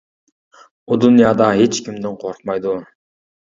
ئۇ دۇنيادا ھېچ كىمدىن قورقمايدۇ.